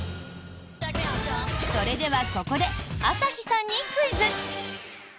それではここで朝日さんにクイズ。